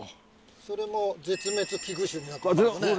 それも絶滅危惧種になってますね。